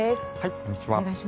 こんにちは。